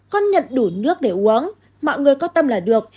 con nhận đủ nước để uống mọi người có tâm là được